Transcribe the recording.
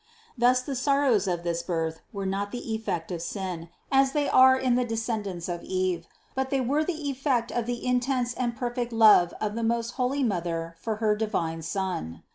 Thus the sorrows of this birth were not the effect of sin, 100 CITY OF GOD as they are in the descendants of Eve, but they were the effect of the intense and perfect love of the most holy Mother for her divine Son.